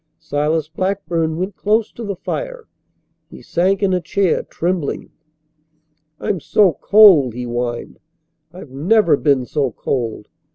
Silas Blackburn went close to the fire. He sank in a chair, trembling. "I'm so cold," he whined. "I've never been so cold.